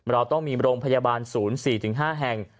เราต้องมีโรงพยาบาลศูนย์๔๕แห่ง